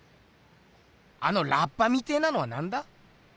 あのラッパみてえなのはなんだ？